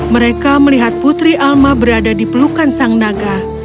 mereka melihat putri alma berada di pelukan sang naga